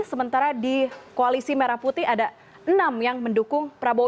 sementara di koalisi merah putih ada enam yang mendukung prabowo